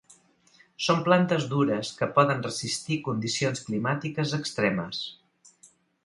Són plantes dures que poden resistir condicions climàtiques extremes.